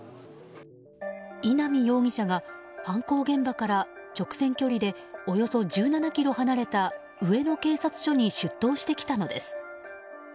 稲見容疑者が犯行現場から直線距離でおよそ１７ｋｍ離れた上野警察署に出頭してきたのです。